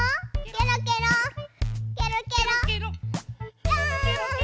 ケロケロケロケロ。